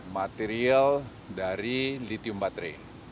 material dari lithium baterai